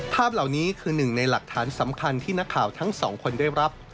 ภาพเหล่านี้คือหนึ่งในหลักฐานสำคัญที่นักข่าวทั้งสองคนได้รับ